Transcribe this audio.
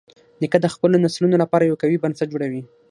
نیکه د خپلو نسلونو لپاره یو قوي بنسټ جوړوي.